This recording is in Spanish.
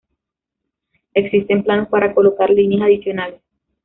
Existen planos para colocar líneas adicionales.